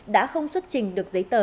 đã không xuất trình được giấy tờ